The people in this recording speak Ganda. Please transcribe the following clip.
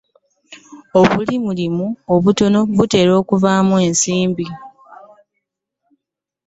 Obulimulimu obutono butera okuvaamu ensimbi.